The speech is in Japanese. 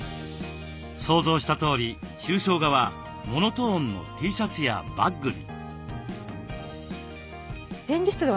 想像したとおり抽象画はモノトーンのＴシャツやバッグに。